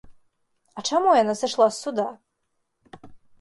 А чаму яна сышла з суда?